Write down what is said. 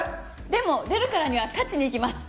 でも出るからには勝ちにいきます。